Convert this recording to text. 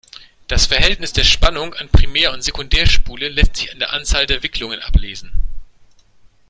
Das Verhältnis der Spannung an Primär- und Sekundärspule lässt sich an der Anzahl der Wicklungen ablesen.